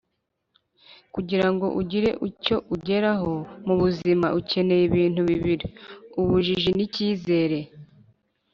“kugira ngo ugire icyo ugeraho mu buzima, ukeneye ibintu bibiri: ubujiji n'icyizere